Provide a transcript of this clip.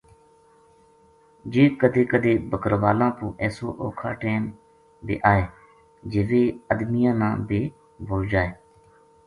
جے کَدے کَدے بکروالاں پو ایسو اوکھا ٹیم بے آئے جے ویہ ادمیاں نا بے بھُل جائے